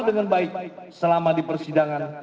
dengan baik selama di persidangan